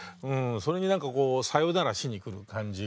それに何か「さよなら」しに来る感じが。